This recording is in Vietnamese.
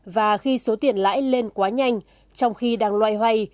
và khi số tiền lãi lên quá nhanh trong khi đang loay hoay